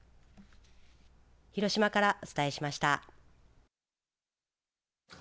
広島からお伝えしました。